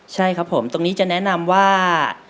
ใช่ครับผมตรงนี้จะแนะนำว่า